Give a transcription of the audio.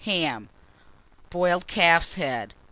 Ham. Boiled Calf's Head.